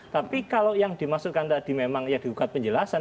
tapi kalau yang dimaksudkan tadi memang ya diugat penjelasan